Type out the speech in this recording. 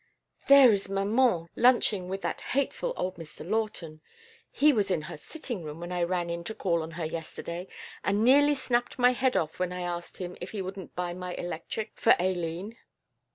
"There is maman lunching with that hateful old Mr. Lawton. He was in her sitting room when I ran in to call on her yesterday, and nearly snapped my head off when I asked him if he wouldn't buy my electric for Aileen.